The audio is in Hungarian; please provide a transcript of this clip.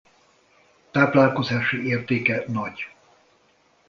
Táplálkozási értéke nagy.